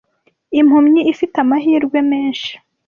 impumyi ifite amahirwe menshi